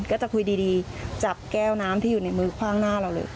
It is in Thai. ก็จะคุยดีจับแก้วน้ำที่อยู่ในมือคว่างหน้าเราเลย